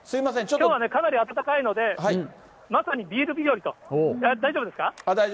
きょうはとても暖かいので、まさにビール日和と、大丈夫ですか？